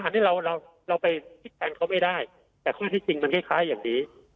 อันนี้เราไปคิดแทนเขาไม่ได้แต่ข้อที่จริงมันคล้ายอย่างนี้